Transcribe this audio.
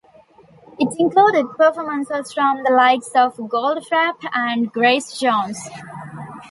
It included performances from the likes of Goldfrapp and Grace Jones.